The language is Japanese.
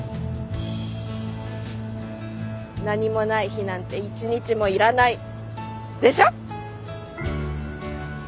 「何もない日なんて１日もいらない」でしょ？